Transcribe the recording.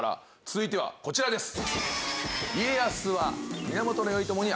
続いてはこちらです。